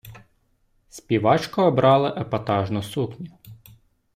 Співачка обрала епатажну сукню.